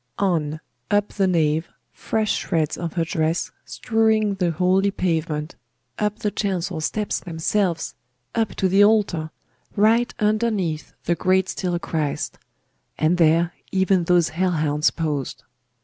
On, up the nave, fresh shreds of her dress strewing the holy pavement up the chancel steps themselves up to the altar right underneath the great still Christ: and there even those hell hounds paused.